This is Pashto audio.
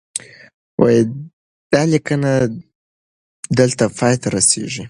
دا لیکنه دلته پای ته رسیږي.